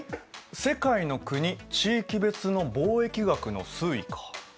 「世界の国・地域別の貿易額の推移」か。